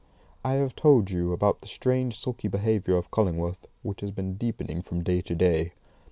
I have told you about the strange, sulky behaviour of Cullingworth, which has been deepening from day to day.